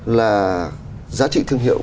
là giá trị thương hiệu